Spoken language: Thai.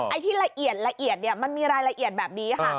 ไอ้ที่ละเอียดละเอียดเนี่ยมันมีรายละเอียดแบบนี้ค่ะ